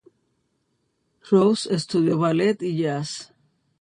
Rose estudió ballet y jazz.